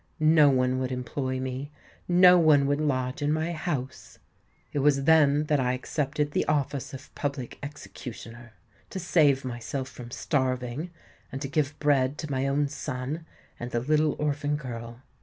No one would employ me—no one would lodge in my house. It was then that I accepted the office of Public Executioner,—to save myself from starving, and to give bread to my own son and the little orphan girl.